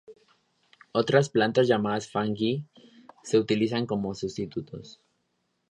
Otras plantas llamadas "fang ji" se utilizan como sustitutos.